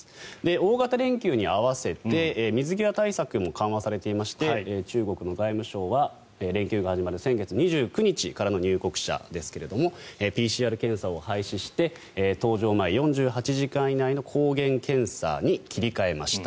大型連休に合わせて水際対策も緩和されていまして中国の外務省は連休が始まる先月２９日からの入国者ですがＰＣＲ検査を廃止して搭乗前４８時間以内の抗原検査に切り替えました。